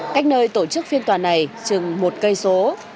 cách nơi tổ chức phiên tòa này chừng một cây số